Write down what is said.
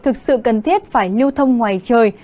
thực sự cần thiết phải lưu thông ngoài trời